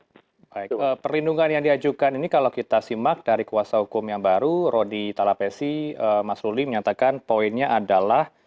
baik perlindungan yang diajukan ini kalau kita simak dari kuasa hukum yang baru rodi talapesi mas ruli menyatakan poinnya adalah